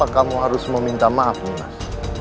ayah anda k salesil